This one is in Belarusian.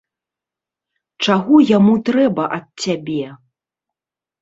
Чаго яму трэба ад цябе?